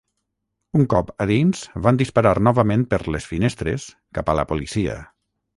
Un cop a dins van disparar novament per les finestres cap a la policia.